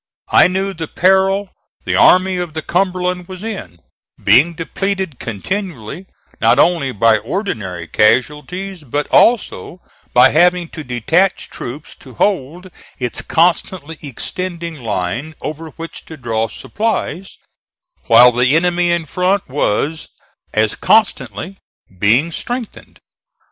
I knew the peril the Army of the Cumberland was in, being depleted continually, not only by ordinary casualties, but also by having to detach troops to hold its constantly extending line over which to draw supplies, while the enemy in front was as constantly being strengthened.